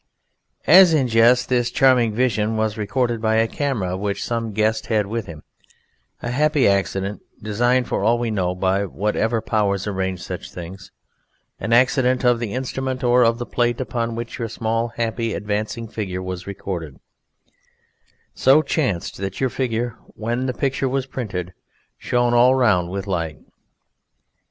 As, in jest, this charming vision was recorded by a camera which some guest had with him, a happy accident (designed, for all we know, by whatever powers arrange such things, an accident of the instrument or of the plate upon which your small, happy, advancing figure was recorded) so chanced that your figure, when the picture was printed, shone all around with light.